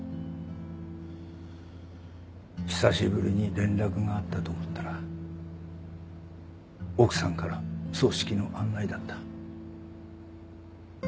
久しぶりに連絡があったと思ったら奥さんから葬式の案内だった。